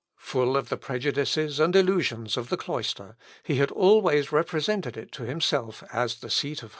Full of the prejudices and illusions of the cloister, he had always represented it to himself as the seat of holiness.